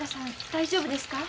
大丈夫ですか？